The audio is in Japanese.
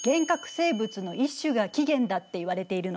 生物の一種が起源だっていわれているの。